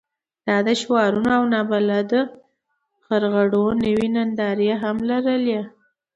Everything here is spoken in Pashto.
دا د شعارونو او نابلده غرغړو نوې نندارې هم لرلې.